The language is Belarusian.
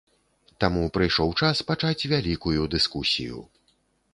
Таму прыйшоў час пачаць вялікую дыскусію!